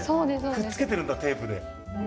くっつけてるんだ、テープで。